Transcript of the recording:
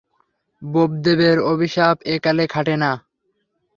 বোপদেবের অভিশাপ একালে খাটে না।